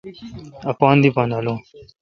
اپتھ دی پا نالون۔